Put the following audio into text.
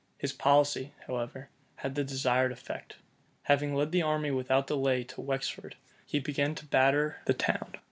His policy, however, had the desired effect. Having led the army without delay to Wexford, he began to batter the town.